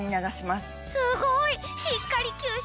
すごい！